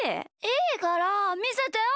いいからみせてよ！